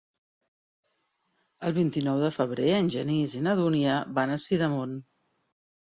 El vint-i-nou de febrer en Genís i na Dúnia van a Sidamon.